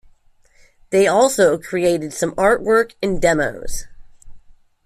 They also created some artwork and demos.